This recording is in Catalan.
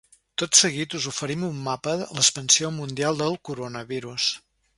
Tot seguit us oferim un mapa l’expansió mundial del coronavirus.